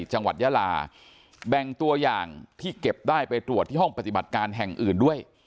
จังหวัดยาลาแบ่งตัวอย่างที่เก็บได้ไปตรวจที่ห้องปฏิบัติการแห่งอื่นด้วย